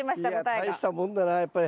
いや大したもんだなやっぱり。